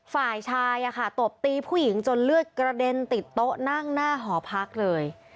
ฝ่ายชายตบตีผู้หญิงจนเลือดกระเด็นติดโต๊ะนั่งหน้าหอพักเลย